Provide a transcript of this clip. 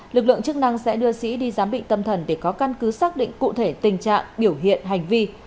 lực lượng chức năng sẽ đưa sĩ đi giám bị tâm thần để có căn cứ xác định cụ thể tình trạng biểu hiện hành vi